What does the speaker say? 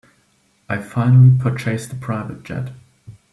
I finally purchased a private jet.